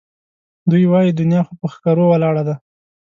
دوی وایي دنیا خو پهٔ ښکرو ولاړه ده